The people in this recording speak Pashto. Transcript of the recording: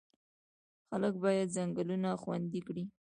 خلک باید ځنګلونه خوندي کړي.